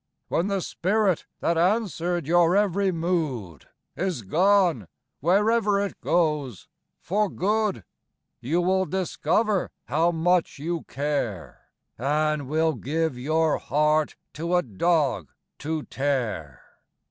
When the spirit that answered your every mood Is gone wherever it goes for good, You will discover how much you care, And will give your heart to a dog to tear!